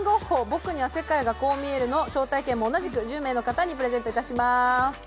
僕には世界がこう見える−」の招待券も招待券も同じく１０名の方にプレゼントします。